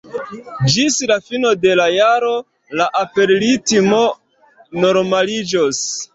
Ĝis la fino de la jaro la aperritmo normaliĝos.